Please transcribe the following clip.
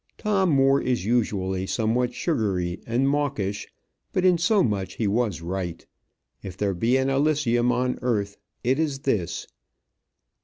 Tom Moore is usually somewhat sugary and mawkish; but in so much he was right. If there be an Elysium on earth, it is this.